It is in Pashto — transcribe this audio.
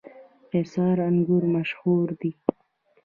قیصار انګور مشهور دي؟